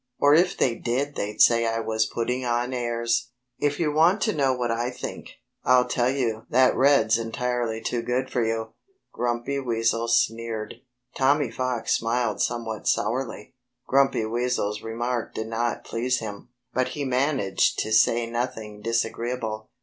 Or if they did they'd say I was putting on airs." "If you want to know what I think, I'll tell you that red's entirely too good for you," Grumpy Weasel sneered. Tommy Fox smiled somewhat sourly. Grumpy Weasel's remark did not please him. But he managed to say nothing disagreeable.